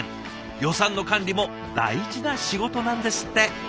予算の管理も大事な仕事なんですって。